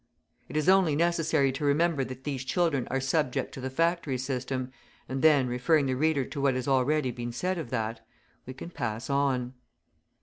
It is only necessary to remember that these children are subject to the factory system, and then, referring the reader to what has already been said of that, we can pass on.